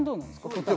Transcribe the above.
答え